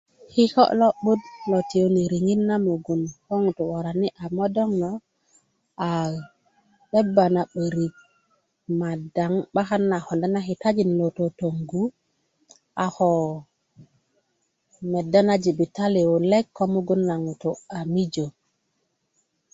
kiko' lo'but lo tiyuni riŋit na mugun lo ko ŋutu' worani a modoŋ lo a 'deba na 'börik madaŋ 'bakan na konda na kitajin lo totoŋgu ako medda na jibitali wulek ko mugun na ŋutu a mijö